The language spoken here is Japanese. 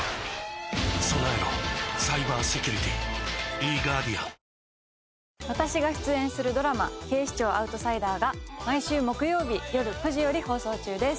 東京海上日動私が出演するドラマ『警視庁アウトサイダー』が毎週木曜日よる９時より放送中です。